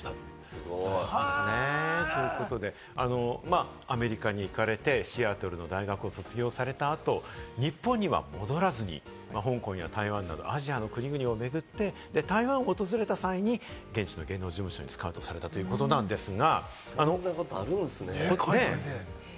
急にたっちゃんと言われたらホストファミリーの方が名付そうですね、それで仕事でずアメリカに行かれて、シアトルの大学を卒業された後、日本には戻らずに、香港や台湾などアジアの国々を巡って、台湾を訪れた際に現地の芸能事務所にスカウトされたということなんですが。